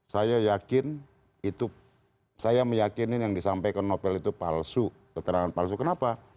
saya yakin itu saya meyakinin yang disampaikan novel itu palsu keterangan palsu kenapa